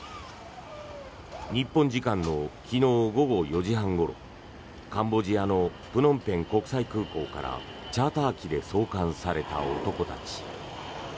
日本時間の昨日午後４時半ごろカンボジアのプノンペン国際空港からチャーター機で送還された男たち。